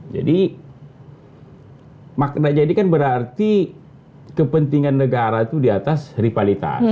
jadi maknanya ini kan berarti kepentingan negara itu di atas rivalitas